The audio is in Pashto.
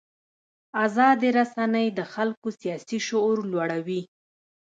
ازادې رسنۍ د خلکو سیاسي شعور لوړوي.